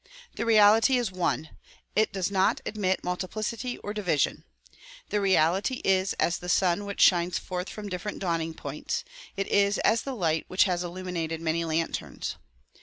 The reality is one; it does not admit multiplicity or di vision. The reality is as the sun which shines forth from ditferent dawning points ; it is as the light which has illumined many lanterns.